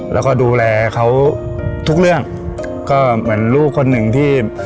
แล้วก็ดูแลเขาทุกเรื่องก็เหมือนลูกคนหนึ่งที่